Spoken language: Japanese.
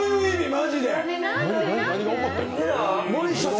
マジで！？